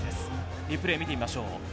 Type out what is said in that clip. リプレーを見てみましょう。